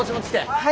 はい。